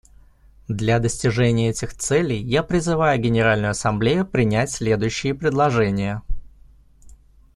Для достижения этих целей я призываю Генеральную Ассамблею принять следующие предложения.